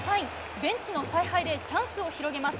ベンチの采配でチャンスを広げます。